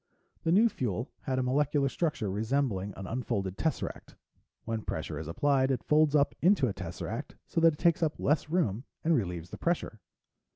The new fuel had a molecular structure resembling an unfolded tesseract. When pressure is applied, it folds up into a tesseract so that it takes up less room and relieves the pressure.